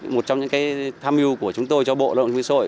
một trong những cái tham mưu của chúng tôi cho bộ lao động chính phủ hội